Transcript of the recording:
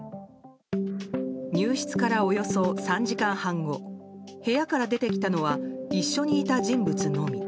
入室からおよそ３時間半後部屋から出てきたのは一緒にいた人物のみ。